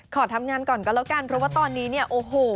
ขอทำงานก่อนก็แล้วกันเพราะว่าตอนนี้เนี่ยโอ้โห